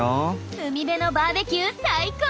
海辺のバーベキュー最高！